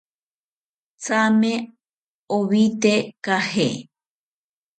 Thame owite caje